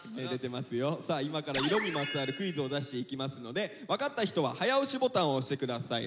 今から色にまつわるクイズを出していきますので分かった人は早押しボタンを押して下さい。